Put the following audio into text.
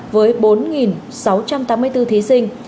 với bốn sáu trăm tám mươi bốn thí sinh